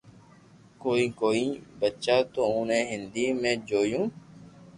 ڪوئي ڪوئي بچيا تو اوڻي ھنڌي ۾ جويو